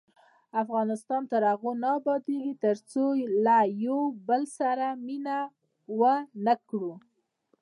افغانستان تر هغو نه ابادیږي، ترڅو له یو بل سره مینه ونه کړو.